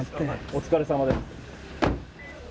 お疲れさまです。